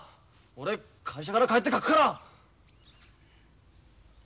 俺会社から帰って描くから。